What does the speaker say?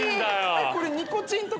これニコチンとかって。